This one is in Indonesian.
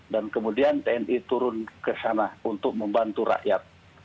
dan kemudian tni turun ke sana untuk membantu rakyat